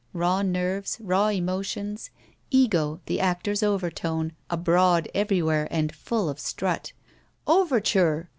Raw nerves. Raw emotions. Ego, the actor's overtone, abroad everywhere and full of strut. "Overture!"